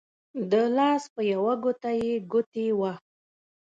د لاس په يوه ګوته يې ګوتې وه